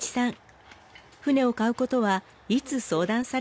船を買うことはいつ相談されたのでしょうか？